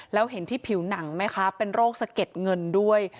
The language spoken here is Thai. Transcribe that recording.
แล้วเห็นที่ผิวหนังไหมคะเป็นโรคสะเก็ดเงินด้วย